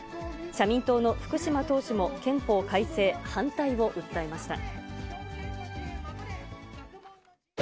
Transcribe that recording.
社民党の福島党首も、憲法改正反対を訴えました。